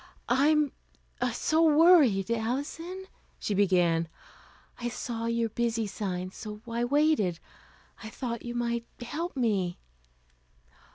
"I'm so worried, Alison," she began. "I saw your 'busy' sign, so I waited. I thought you might help me."